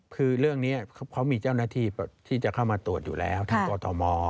คือเรื่องนี้เขามีเจ้าหน้าที่ที่จะเข้ามาตรวจอยู่แล้วทางกตม